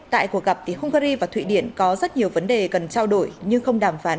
tại cuộc gặp thì hungary và thụy điển có rất nhiều vấn đề cần trao đổi nhưng không đàm phán